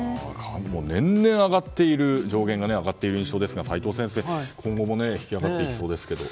年々、上限が上がっている印象ですが齋藤先生、今後も引き上がっていきそうですけれども。